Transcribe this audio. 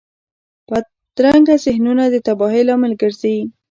بدرنګه ذهنونه د تباهۍ لامل ګرځي